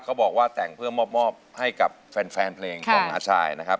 เขาบอกว่าแต่งเพื่อมอบให้กับแฟนเพลงของน้าชายนะครับ